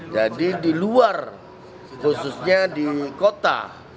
jadi di luar khususnya di kota